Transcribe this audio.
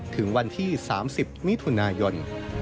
ถึงวันที่๓๐มิถุนายน